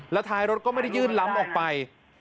แล้วท้ายรถก็ไม่ได้ยื่นล้ำออกไป